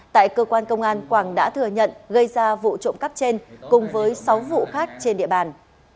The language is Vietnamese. tại cơ quan công an quảng đã thừa nhận gây ra vụ trộm cắp trên cùng với sáu vụ khác trên địa bàn